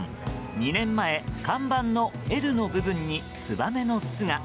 ２年前、看板の「Ｌ」の部分にツバメの巣が。